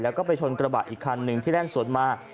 แล้วก็ไปชนกระบะอีกคันหนึ่งที่แล่นสวนมา